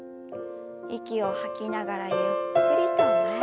息を吐きながらゆっくりと前に。